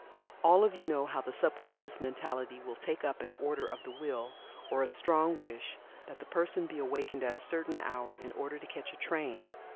All of you know how the sub conscious mentality will take up an order of the Will, or a strong wish, that the person be awakened at a certain hour in order to catch a train.